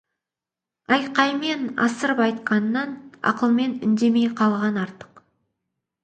Айқаймен асырып айтқаннан, ақылмен үндемей қалған артық.